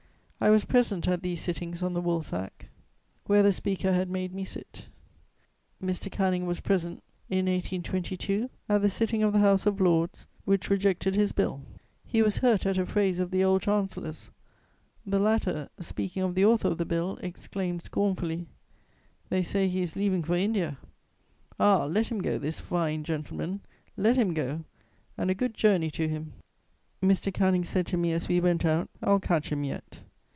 I was present at these sittings on the woolsack, where the Speaker had made me sit. Mr. Canning was present, in 1822, at the sitting of the House of Lords which rejected his Bill; he was hurt at a phrase of the old Chancellor's: the latter, speaking of the author of the Bill, exclaimed scornfully: "They say he is leaving for India: ah, let him go, this fine gentleman, let him go, and a good journey to him!" Mr. Canning said to me as we went out: "I'll catch him yet."